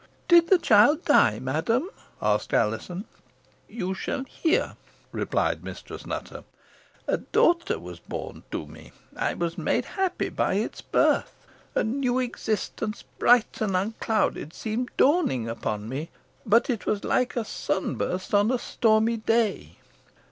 "Did the child die, madam?" asked Alizon. "You shall hear," replied Mistress Nutter. "A daughter was born to me. I was made happy by its birth. A new existence, bright and unclouded, seemed dawning upon me; but it was like a sunburst on a stormy day.